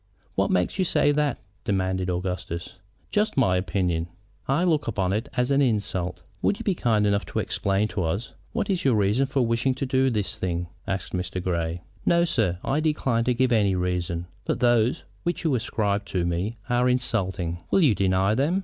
"What makes you say that?" demanded Augustus. "Just my own opinion." "I look upon it as an insult." "Would you be kind enough to explain to us what is your reason for wishing to do this thing?" asked Mr. Grey. "No, sir; I decline to give any reason. But those which you ascribe to me are insulting." "Will you deny them?"